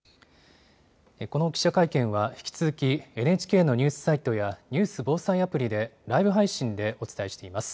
この記者会見は、引き続き、ＮＨＫのニュースサイトやニュース・防災アプリでライブ配信でお伝えしています。